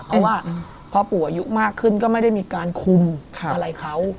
เพราะว่าพอปู่อายุมากขึ้นก็ไม่ได้มีการคุมอะไรเขา